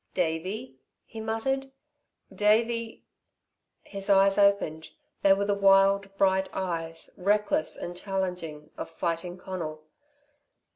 "Davey?" he muttered. "Davey " His eyes opened; they were the wild, bright eyes, reckless and challenging, of Fighting Conal.